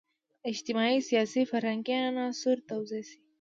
اجتماعي، سیاسي، فرهنګي عناصر توضیح شي.